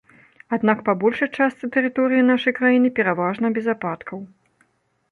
Аднак па большай частцы тэрыторыі нашай краіны пераважна без ападкаў.